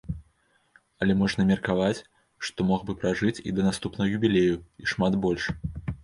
Але можна меркаваць, што мог бы пражыць і да наступнага юбілею, і шмат больш.